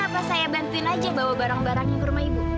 apa saya bantuin aja bawa barang barangnya ke rumah ibu